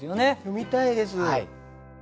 詠みたいです。